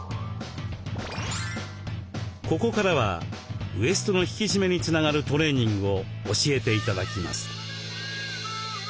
ここからはウエストの引きしめにつながるトレーニングを教えて頂きます。